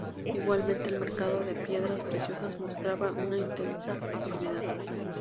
Igualmente, el mercado de piedras preciosas mostraba una intensa actividad.